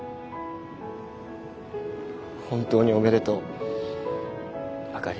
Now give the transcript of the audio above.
本当におめでとう。